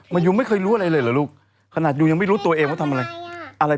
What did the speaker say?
ยูไม่เคยรู้อะไรเลยเหรอลูกขนาดยูยังไม่รู้ตัวเองว่าทำอะไรอะไร